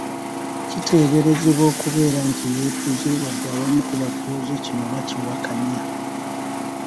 Kiteeberezebwa okubeera nti yeetuze wadde abamu ku batuuze kino bakiwakanya.